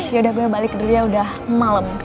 yaudah gue balik dulu ya udah malem